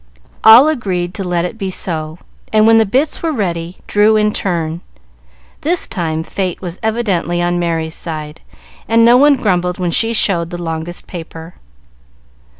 All agreed to let it be so, and when the bits were ready drew in turn. This time fate was evidently on Merry's side, and no one grumbled when she showed the longest paper.